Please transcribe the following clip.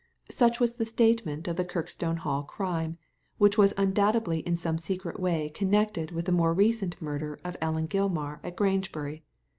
Such was the statement of the Kirkstone Hall Crime, which was undoubtedly in some secret way connected with the more recent murder of Ellen Gilmar at Grangebury.